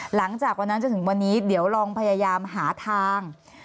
หลังจากวันนั้นจนถึงวันนี้เดี๋ยวลองพยายามหาทาง